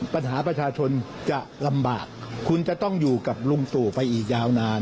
ประชาชนจะลำบากคุณจะต้องอยู่กับลุงตู่ไปอีกยาวนาน